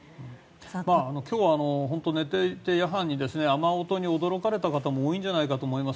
今日は寝ていて夜間に雨音に驚かれた方も多いんじゃないかと思います。